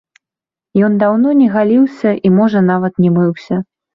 Ён даўно не галіўся і можа нават не мыўся.